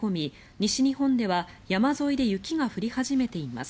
西日本では山沿いで雪が降り始めています。